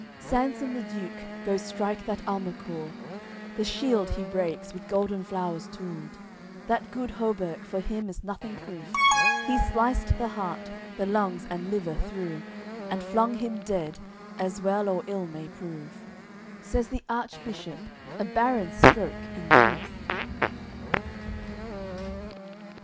XCVIII Sansun the Duke goes strike that almacour, The shield he breaks, with golden flowers tooled, That good hauberk for him is nothing proof, He's sliced the heart, the lungs and liver through, And flung him dead, as well or ill may prove. Says the Archbishop: "A baron's stroke, in truth."